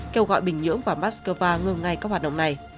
kêu gọi bình nhưỡng và moscow ngừng ngay các hoạt động này